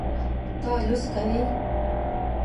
ته لوست کوې